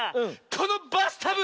このバスタブ？